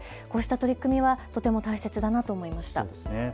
こうした取り組みはとても大切だなと思いました。